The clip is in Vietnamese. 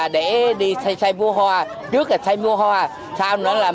đặc biệt là những ghe thuyền của người dân sống ven sông